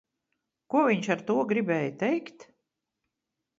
Ko viņš ar to gribēja teikt?